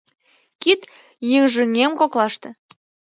Кид йыжыҥем коклаште.